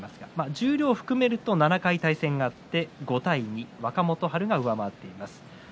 十両を含めると７回対戦があって５対２、若元春が上回っています。